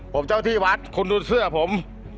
ผมเจ้าที่วัดคุณดูเสื้อผม